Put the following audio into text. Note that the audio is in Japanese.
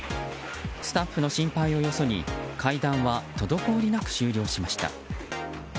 スタッフの心配をよそに会談は滞りなく終了しました。